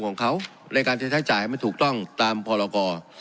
หากนะครับในการใช้จ่ายมันถูกต้องตามภารกอ